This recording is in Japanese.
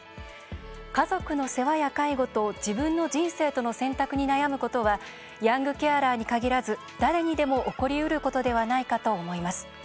家族の世話や介護と自分の人生との選択に悩むことはヤングケアラーに限らず誰にでも起こりうることではないかと思います。